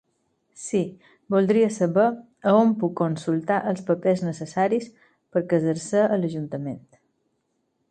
Si, voldria saber a on puc consultar els papers necessaris per casar-se a l'ajuntament.